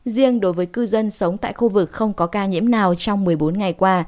riêng đối với cư dân sống tại khu vực không có ca nhiễm nào trong một mươi bốn ngày qua